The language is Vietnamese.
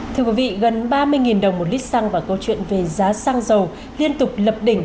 thưa quý vị gần ba mươi đồng một lít xăng và câu chuyện về giá xăng dầu liên tục lập đỉnh